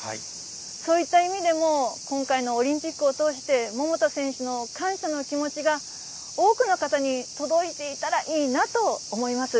そういった意味でも、今回のオリンピックを通して、桃田選手の感謝の気持ちが、多くの方に届いていたらいいなと思います。